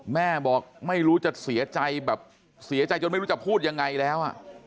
แม่บอกไม่รู้จะเสียใจแบบเสียใจจนไม่รู้จะพูดยังไงแล้ว